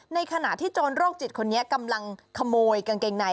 ในขณะที่โจรโรคจิตคนนี้กำลังขโมยกางเกงใน